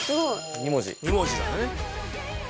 ２文字だね。